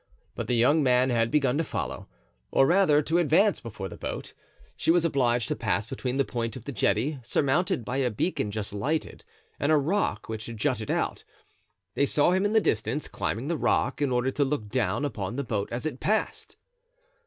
But the young man had begun to follow, or rather to advance before the boat. She was obliged to pass between the point of the jetty, surmounted by a beacon just lighted, and a rock which jutted out. They saw him in the distance climbing the rock in order to look down upon the boat as it passed.